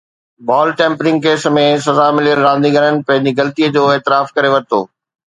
بال tampering case ۾ سزا مليل رانديگرن پنهنجي غلطي جو اعتراف ڪري ورتو